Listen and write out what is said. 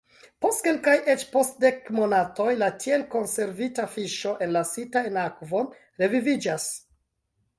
Post kelkaj, eĉ post dek monatoj la tiel konservita fiŝo, enlasita en akvon, reviviĝas.